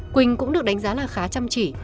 quỳnh cũng được đánh giá là khá chăm chỉ